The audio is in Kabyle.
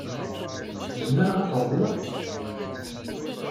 Zemreɣ ad t-reḍleɣ?